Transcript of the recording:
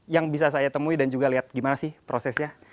yang bisa saya temui dan juga lihat gimana sih prosesnya